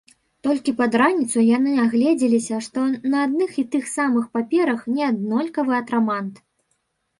Толькі пад раніцу яны агледзеліся, што на адных і тых самых паперах неаднолькавы атрамант.